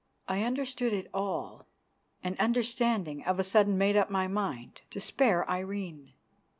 I understood it all, and, understanding, of a sudden made up my mind to spare Irene.